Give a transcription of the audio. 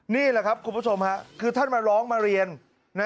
นี่แหละครับคุณผู้ชมคือท่านมาร้องมาเรียน